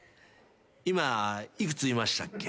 今幾つ言いましたっけ？